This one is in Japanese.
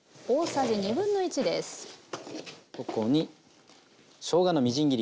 ここにしょうがのみじん切り。